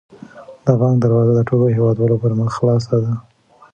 د بانک دروازه د ټولو هیوادوالو پر مخ خلاصه ده.